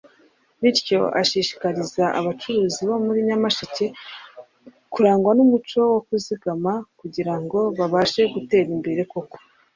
bityo ashishikariza abacuruzi bo muri Nyamasheke kurangwa n’umuco wo kuzigama kugira ngo babashe gutera imbere koko